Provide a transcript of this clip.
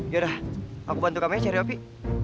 ya udah aku bantu kamu cari opi